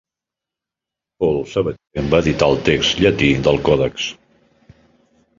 Paul Sabatier va editar el text llatí del còdex.